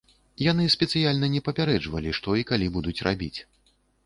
Яны спецыяльна не папярэджвалі, што і калі будуць рабіць.